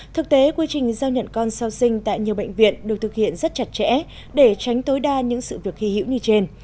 thực tế quy trình giao nhận con sau sinh tại nhiều bệnh viện được thực hiện rất chặt chẽ để tránh tối đa những sự việc hy hữu như trên